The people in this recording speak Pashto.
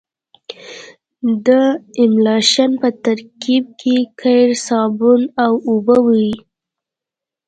د املشن په ترکیب کې قیر صابون او اوبه وي